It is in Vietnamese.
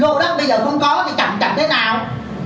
lô đất bây giờ không có thì chằm chằm thế nào